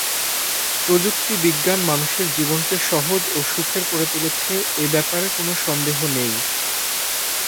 প্রযুক্তি বিজ্ঞান মানুষের জীবনকে সহজ ও সুখের করে তুলেছে এব্যাপারে কোনো সন্দেহ নেই।